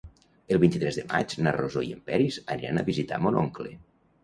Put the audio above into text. El vint-i-tres de maig na Rosó i en Peris aniran a visitar mon oncle.